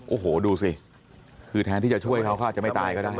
โอ้โหดูสิคือแทนที่จะช่วยเขาเขาอาจจะไม่ตายก็ได้